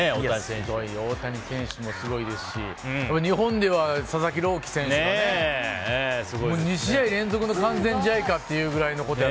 大谷選手もすごいですし日本では佐々木朗希選手がね２試合連続の完全試合かっていうくらいの。